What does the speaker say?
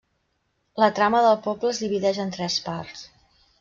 La trama del poble es divideix en tres parts.